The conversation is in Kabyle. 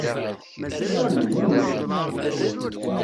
I Sami, amek?